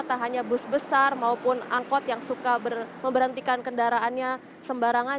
tak hanya bus besar maupun angkot yang suka memberhentikan kendaraannya sembarangan